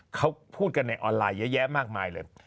เขาพูดกันในออนไลน์เยอะแยะมากมายเลย